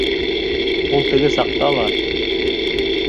Ул теге саҡта ла...